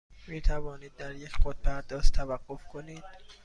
می توانید در یک خودپرداز توقف کنید؟